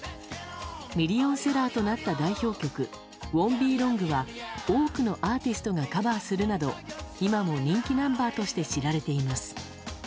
ミリオンセラーとなった代表曲「ＷＯＮ’ＴＢＥＬＯＮＧ」は多くのアーティストがカバーするなど今も人気ナンバーとして知られています。